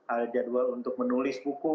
ada jadwal untuk menulis buku